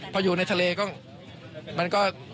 พออยู่ในทะเลก็มันก็